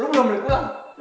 lo belum balik pulang